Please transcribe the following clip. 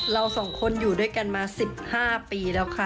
เราสองคนอยู่ด้วยกันมา๑๕ปีแล้วค่ะ